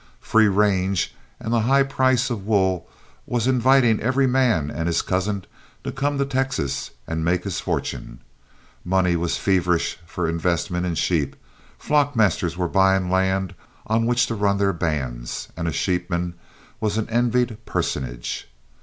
Free range and the high price of wool was inviting every man and his cousin to come to Texas and make his fortune. Money was feverish for investment in sheep, flock masters were buying land on which to run their bands, and a sheepman was an envied personage.